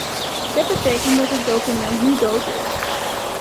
Dit betekent dat het document nu dood is.